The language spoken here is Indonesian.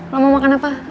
lo mau makan apa